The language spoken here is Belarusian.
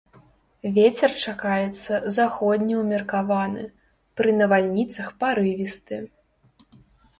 Вецер чакаецца заходні ўмеркаваны, пры навальніцах парывісты.